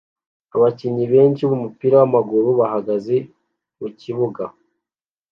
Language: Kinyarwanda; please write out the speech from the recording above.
Abakinnyi benshi bumupira wamaguru bahagaze mukibuga